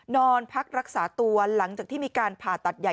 นอนพักรักษาตัวหลังจากที่มีการผ่าตัดใหญ่